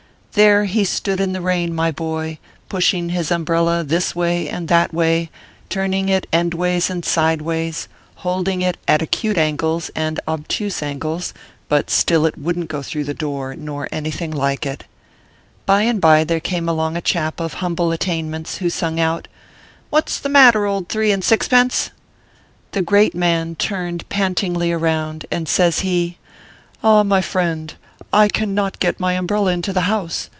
There he stood in the rain, my boy, pushing his umbrella this way and that way, turning it endways and sideways, holding it at acute angles and obtuse angles ; but still it wouldn t go through the door, nor anything like it. By and by there came along a chap of humble attainments, who sung out :" What s the matter, old three and sixpence ?", The great man turned pantingly round, and says he: " Ah, my friend, I cannot get my umbrella into the house.